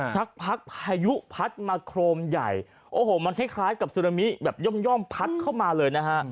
สักพักพายุพัดมาโครมใหญ่โอ้โหมันคล้ายกับซึนามิแบบย่อมพัดเข้ามาเลยนะฮะ